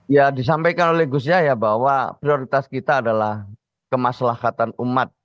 ya disampaikan oleh gus yahya bahwa prioritas kita adalah kemaslahatan umat